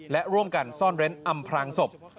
และร่วมกันซ่อนเร้นอำพลางศพ